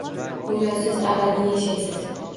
Go'yo siz abadiy yashaysiz.